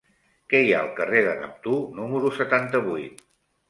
Què hi ha al carrer de Neptú número setanta-vuit?